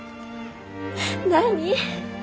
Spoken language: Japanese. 何？